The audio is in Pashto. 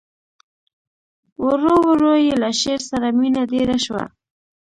ورو ورو یې له شعر سره مینه ډېره شوه